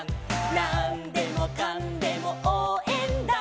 「なんでもかんでもおうえんだ！！」